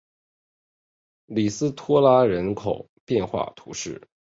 里斯托拉人口变化图示